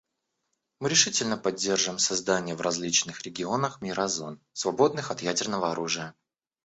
Мы решительно поддерживаем создание в различных регионах мира зон, свободных от ядерного оружия.